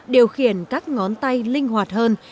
điều khiển các ngón tay linh hoạt hơn